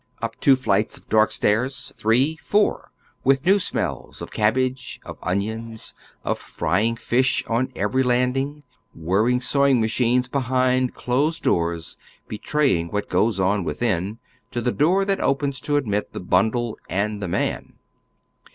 Up two flights of dark stairs, three, four, with new smells of cabbage, of onions, of frying fish, on every land ing, whirring sewing machines behind closed doors betray ing what goes on within, to the door that opens to admit the bundle and the man.